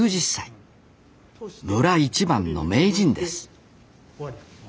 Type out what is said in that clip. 村一番の名人です